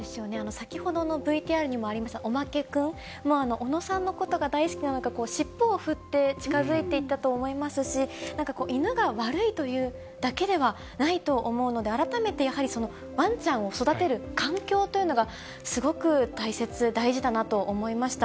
先ほどのＶＴＲにもありました、おまけ君も、小野さんのことが大好きなのか、尻尾を振って近づいていったと思いますし、なんか犬が悪いというだけではないと思うので、改めてやはりワンちゃんを育てる環境というのが、すごく大切、大事だなと思いました。